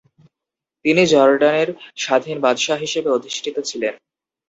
তিনি জর্ডানের স্বাধীন বাদশাহ হিসেবে অধিষ্ঠিত ছিলেন।